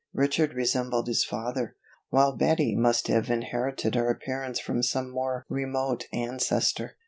Richard resembled his father, while Betty must have inherited her appearance from some more remote ancestor.